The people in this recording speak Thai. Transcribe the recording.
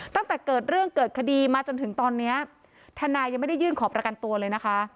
ตั้งแต่เกิดเรื่องเกิดคดีมาจนถึงตอนนี้ทนายยังไม่ได้ยื่นขอประกันตัวเลยนะคะ